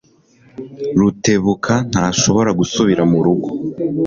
Rutebuka ntashobora gusubira murugo.